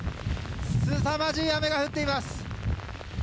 すさまじい雨が降っています。